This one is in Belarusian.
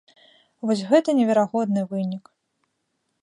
Вось гэта неверагодны вынік!